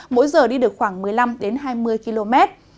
mỗi giờ đi được khoảng một mươi năm hai mươi km